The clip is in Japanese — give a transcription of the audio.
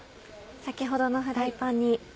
先ほどのフライパンに。